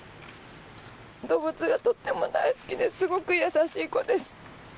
動物がとっても大好きで、すごく優しい子です。